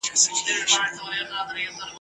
خامخا به یې یو شی وو ځغلولی !.